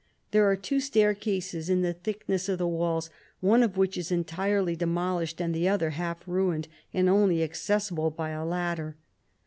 There are two staircases in the thickness of the walls, one of which is entirely de molished, and the other half ruined, and only accessible by a ladder.